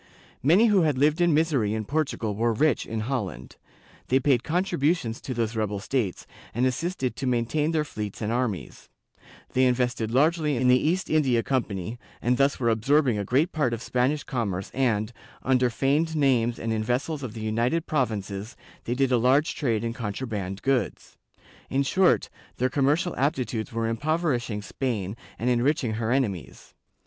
Many who had lived in misery in Portugal were rich in Holland; they paid contributions to those rebel states, and assisted to maintain their fleets and armies; they invested largely in the East India Com pany, and thus were absorbing a great part of Spanish commerce and, under feigned names and in vessels of the United Provinces, they did a large trade in contraband goods.^ In short, their commercial aptitudes were impoverishing Spain and enriching her enemies.